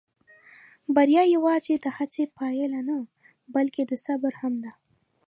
بریا یواځې د هڅې پایله نه، بلکې د صبر هم ده.